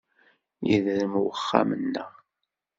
Yedrem uxxam-nneɣ.